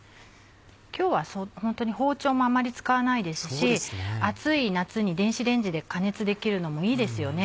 今日はホントに包丁もあまり使わないですし暑い夏に電子レンジで加熱できるのもいいですよね。